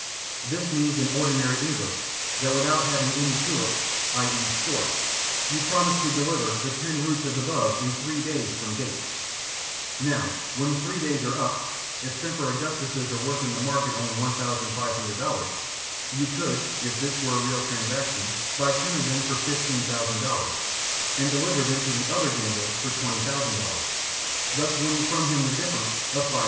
This means in ordinary English, that without having any tulips (i. e., short,) you promise to deliver the ten roots as above in three days from date. Now when the three days are up, if Semper Augustuses are worth in the market only $1,500, you could, if this were a real transaction, buy ten of them for $15,000, and deliver them to the other gambler for $20,000, thus winning from him the difference of $5,000.